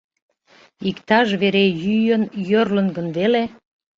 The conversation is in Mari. Иктаж вере йӱын йӧрлын гын веле?